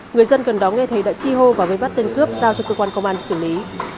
người dân gần đó nghe thấy đã chi hô và vây bắt tên cướp giao cho cơ quan công an xử lý